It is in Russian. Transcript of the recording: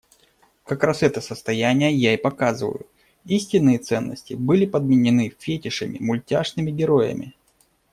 Как раз это состояние я и показываю, истинные ценности были подменены фетишами, мультяшными героями.